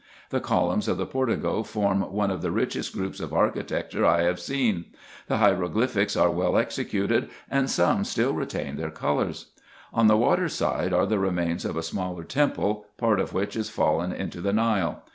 The columns of the portico form one of the richest groups of architecture I have seen : the hiero glyphics are well executed, and some still retain their colours. On the water side are the remains of a smaller temple, part of which is fallen into the Nile.